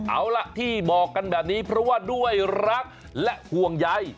เอาล่ะที่บอกกันแบบนี้เพราะว่าด้วยรักและห่วงใย